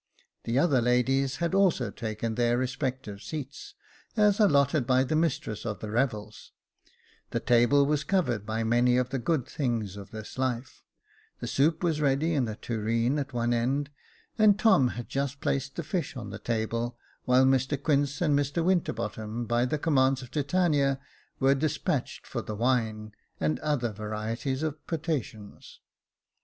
The other ladies had also taken their respective seats, as allotted by the mistress of the revels ; the table was covered by many of the good things of this life ; the soup was ready in a tureen at one end, and Tom had just placed the fish on the table, while Mr Quince and Winterbottom, by the commands of Titania, were despatched for the wine and other varieties of potations.